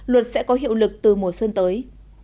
luật sẽ có hiệu lực từ mùa xuân tới